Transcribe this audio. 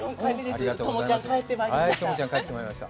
知ちゃん、帰ってまいりました。